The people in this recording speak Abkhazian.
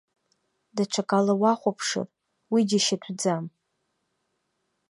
Даҽакала уахәаԥшыр, уи џьашьатәӡам.